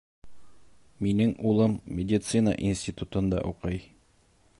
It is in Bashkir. Минең улым медицина институтында уҡый.